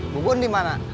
bu bun dimana